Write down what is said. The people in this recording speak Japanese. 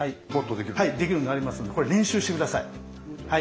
できるようになりますのでこれ練習して下さい。